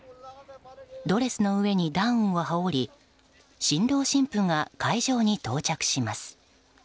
ドレスの上にダウンを羽織り新郎新婦が会場に到着します。